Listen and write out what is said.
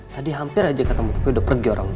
tadi hampir aja ketemu tapi udah pergi orangnya